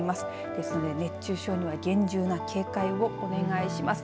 ですので熱中症には厳重な警戒をお願いします。